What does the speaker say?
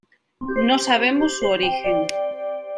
No sabemos su origen.